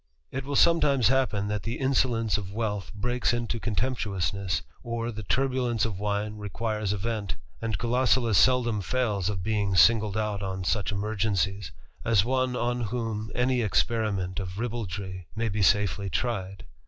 205 It will sometimes happen that the insolence of wealth reaks into contemptuousness, or the turbulence of wine iquires a vent ; and Gulosulus seldom fails of being singled at on such emergencies, as one on whom any experiment r ribaldry may be safely tried.